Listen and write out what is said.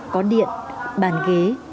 có điện bàn ghế